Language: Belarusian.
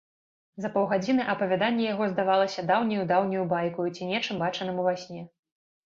За паўгадзіны апавяданне яго здавалася даўняю, даўняю байкаю ці нечым бачаным ува сне.